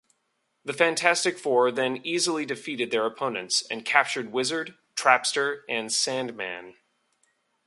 The Fantastic Four then easily defeated their opponents, and captured Wizard, Trapster, and Sandman.